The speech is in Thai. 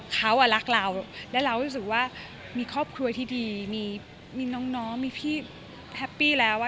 เขารักเราและเรารู้สึกว่ามีครอบครัวที่ดีมีน้องมีพี่แฮปปี้แล้ว